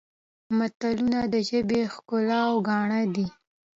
متلونه د ژبې ښکلا او ګاڼه دي